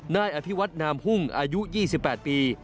นายอภิวัตนามหุ้งอายุ๒๘ปี